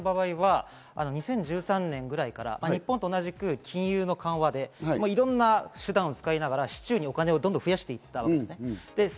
アメリカの場合は、２０１３年ぐらいから日本と同じく金融緩和でいろんな手段を使いながら、市中にお金をどんどん増やしていったわけです。